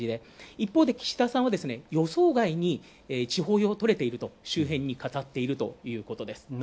一方、岸田さんは予想外に地方票を取れていると周辺に語っているということです。